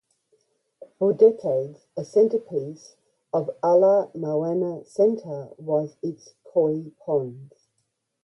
For decades, a centerpiece of Ala Moana Center was its koi ponds.